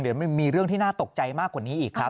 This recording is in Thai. เดี๋ยวมันมีเรื่องที่น่าตกใจมากกว่านี้อีกครับ